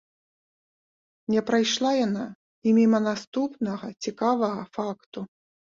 Не прайшла яна і міма наступнага цікавага факту.